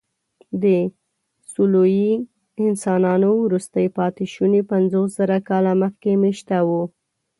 د سولويي انسانانو وروستي پاتېشوني پنځوسزره کاله مخکې مېشته وو.